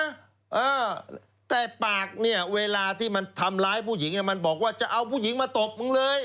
เออแต่ปากเนี่ยเวลาที่มันทำร้ายผู้หญิงอ่ะมันบอกว่าจะเอาผู้หญิงมาตบมึงเลย